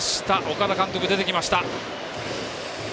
岡田監督、出てきました。